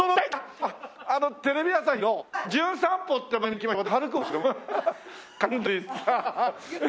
あっあのテレビ朝日の『じゅん散歩』って番組で来ました